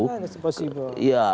saya sendiri tidak mungkin menguasai itu